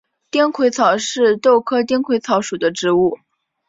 丁癸草是豆科丁癸草属的植物。